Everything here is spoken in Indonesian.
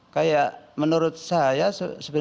kayak menurut saya sebenarnya itu kronologi seperti